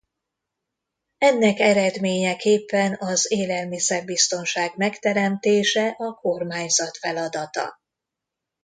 Ennek eredményeképpen az élelmiszer-biztonság megteremtése a kormányzat feladata.